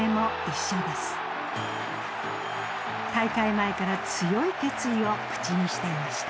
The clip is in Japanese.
大会前から強い決意を口にしていました。